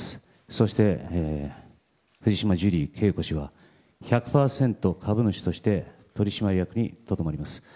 そして藤島ジュリー景子氏は１００％株主として取締役にとどまります。